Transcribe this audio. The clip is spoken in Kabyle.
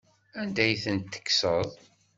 Anda ay tent-tekkseḍ?